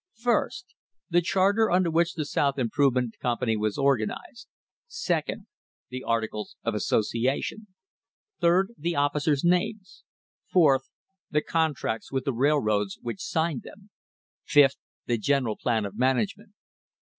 First: the charter under which the South Improvement Company was organised. Second: the articles of association. Third: the officers' names. Fourth: the contracts with the railroads which signed them. Fifth: the general plan of management.